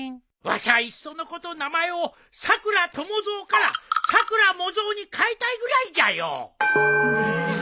わしゃいっそのこと名前を「さくらともぞう」から「さくらもぞう」に変えたいぐらいじゃよ。